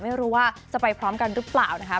ไม่รู้ว่าจะไปพร้อมกันหรือเปล่านะคะ